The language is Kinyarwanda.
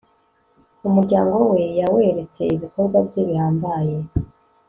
umuryango we yaweretse ibikorwa bye bihambaye